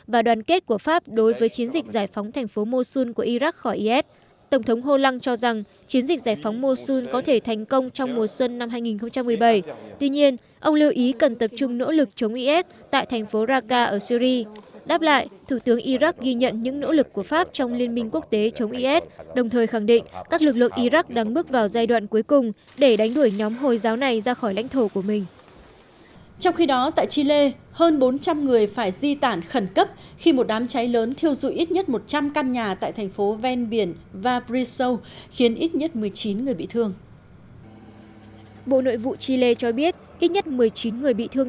và brissau khiến ít nhất một mươi chín người bị thương bộ nội vụ chile cho biết ít nhất một mươi chín người bị thương